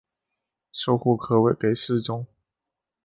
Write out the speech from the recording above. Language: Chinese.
授户科给事中。